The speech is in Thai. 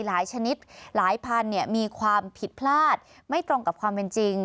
ชนิดหลายพันธุ์มีความผิดพลาดไม่ตรงกับความเป็นจริง